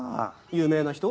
有名な人？